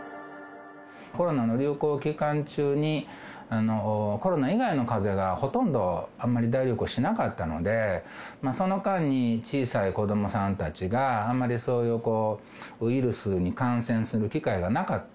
コロナの流行期間中に、コロナ以外のかぜがほとんどあんまり大流行しなかったので、その間に小さい子どもさんたちが、あんまり、そういうウイルスに感染する機会がなかった。